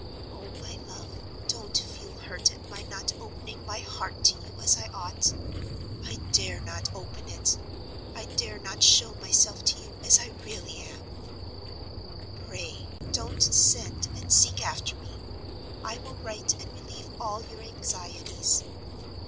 Oh, my love, don't feel hurt at my not opening my heart to you as I ought! I dare not open it. I dare not show myself to you as I really am. "Pray don't send and seek after me; I will write and relieve all your anxieties.